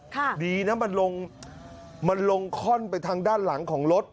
ดีนะมันลงมันลงค่อนไปทางด้านหลังของรถ